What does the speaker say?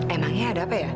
emangnya ada apa ya